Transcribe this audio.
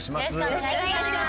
よろしくお願いします！